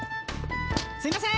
すいません。